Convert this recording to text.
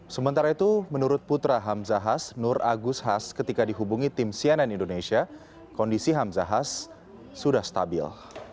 sementara itu menurut putra hamzahas nur agus has ketika dihubungi tim cnn indonesia kondisi hamzahas sudah stabil